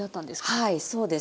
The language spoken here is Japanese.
はいそうです。